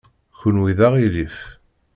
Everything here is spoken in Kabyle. Kenwi d aɣilif.